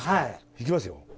いきますよ！